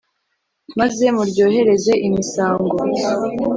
maze muryohereze imisango.